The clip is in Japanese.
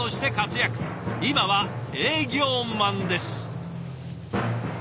今は営業マンです！